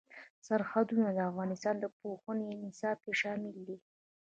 سرحدونه د افغانستان د پوهنې نصاب کې شامل دي.